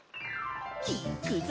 いっくぞ！